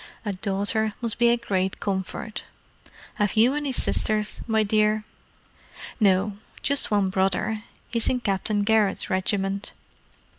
A daughter must be a great comfort. Have you any sisters, my dear?" "No. Just one brother—he's in Captain Garrett's regiment."